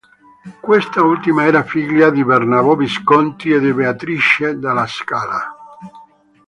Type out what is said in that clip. Quest'ultima era figlia di Bernabò Visconti e di Beatrice della Scala.